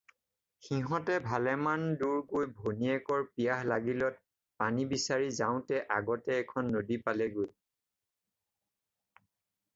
সিহঁতে ভালেমান দূৰ গৈ ভনীয়েকৰ পিয়াহ লাগিলত পানী বিচাৰি যাওঁতে আগতে এখন নৈ পালেগৈ।